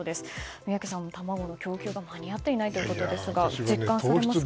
宮家さん、卵の供給が間に合っていないということですが実感されますか？